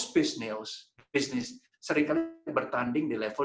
pernah perlahan bisnis seringkali bertanding di level